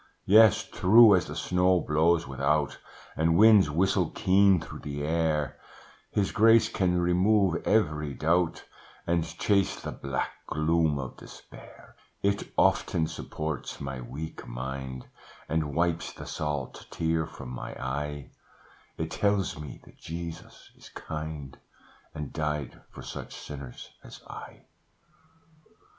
"Yes, true as the snow blows without, And winds whistle keen through the air, His grace can remove every doubt, And chase the black gloom of despair: It often supports my weak mind, And wipes the salt tear from my eye, It tells me that Jesus is kind, And died for such sinners as I.